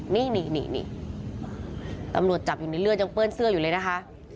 นี่นี่ตำรวจจับอยู่ในเลือดยังเปื้อนเสื้ออยู่เลยนะคะ